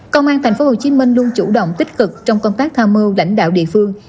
công an tp hcm luôn chủ động tích cực trong công tác tham mưu lãnh đạo địa phương